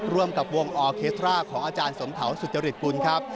ร่วมกับวงออเคสตราของอาจารย์สมเถาสุจริตกุลครับ